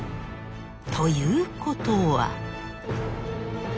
ということは。